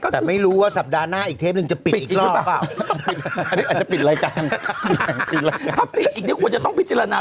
แต่ไม่รู้ว่าสัปดาห์หน้าอีกเทปหนึ่งจะปิดอีกหรือเปล่า